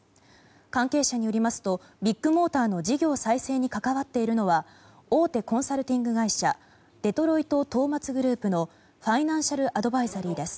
関係者によりますとビッグモーターの事業再生に関わっているのは大手コンサルティング会社デロイトトーマツグループのファイナンシャルアドバイザリーです。